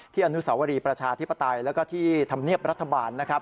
อนุสาวรีประชาธิปไตยแล้วก็ที่ธรรมเนียบรัฐบาลนะครับ